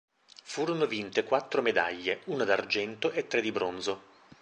Furono vinte quattro medaglie: una d'argento e tre di bronzo.